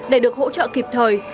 để được hỗ trợ kịp thời